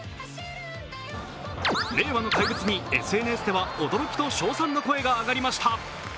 令和の怪物にＳＮＳでは驚きと称賛の声が上がりました。